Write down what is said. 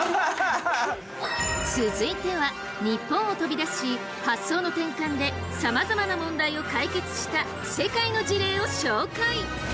続いては日本を飛び出し発想の転換でさまざまな問題を解決した世界の事例を紹介！